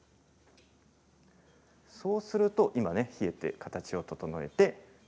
そうすると今、冷えて形を整えています。